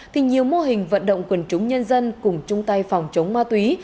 thì nhiều mô hình vận động quần trúng nhân dân cùng trung tay phòng chống ma túy